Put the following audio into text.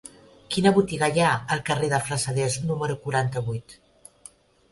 Quina botiga hi ha al carrer de Flassaders número quaranta-vuit?